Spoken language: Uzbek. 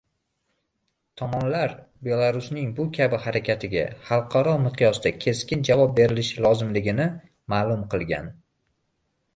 Tomonlar Belarusning bu kabi harakatiga “xalqaro miqyosda keskin javob berilishi lozimligini” ma’lum qilgan